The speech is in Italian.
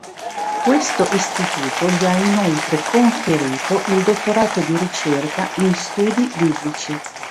Questo istituto gli ha inoltre conferito il Dottorato di ricerca in Studi biblici.